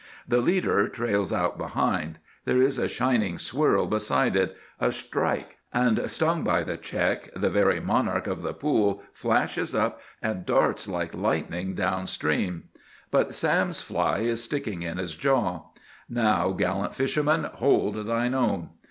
The "leader" trails out behind. There is a shining swirl beside it,—a strike; and stung by the check the very monarch of the pool flashes up, and darts like lightning down stream. But Sam's fly is sticking in his jaw. Now, gallant fisherman, hold thine own!